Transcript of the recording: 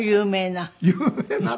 有名な？